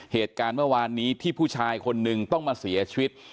เหตุการณ์เมื่อวานนี้ที่ผู้ชายคนนึงต้องมาเสียชีวิต